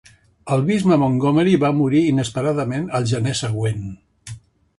El bisbe Montgomery va morir inesperadament al gener següent.